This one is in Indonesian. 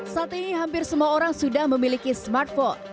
saat ini hampir semua orang sudah memiliki smartphone